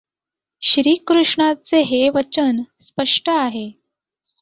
श्रीकृष्णाचे हे वचन स्पष्ट आहे.